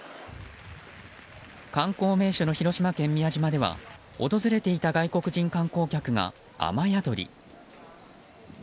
観光名所の広島県宮島では訪れていた外国人観光客が雨宿り。